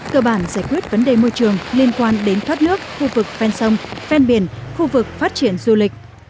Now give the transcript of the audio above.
cơ bản giải quyết vấn đề môi trường liên quan đến thoát nước khu vực phen sông phen biển khu vực phát triển du lịch